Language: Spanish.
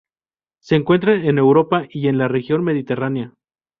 Se encuentran en Europa y en la región Mediterránea.